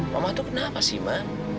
mama tuh kenapa sih ma